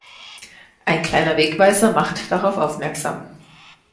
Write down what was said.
Ein kleiner Wegweiser macht darauf aufmerksam.